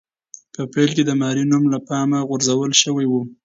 په پیل کې د ماري نوم له پامه غورځول شوی و.